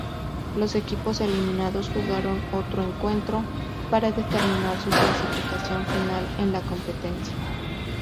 Los equipos eliminados jugaron otro encuentro para determinar su clasificación final en la competencia.